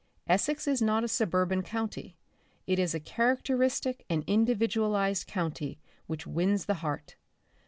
Essex is not a suburban county; it is a characteristic and individualised county which wins the heart.